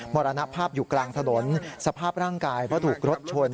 มรณภาพอยู่กลางถนนสภาพร่างกายเพราะถูกรถชน